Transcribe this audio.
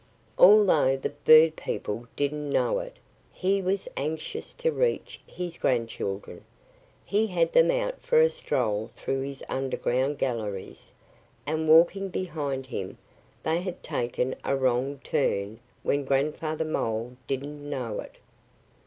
Although the bird people didn't know it, he was anxious to reach his grandchildren. He had them out for a stroll through his underground galleries; and walking behind him they had taken a wrong turn when Grandfather Mole didn't know it.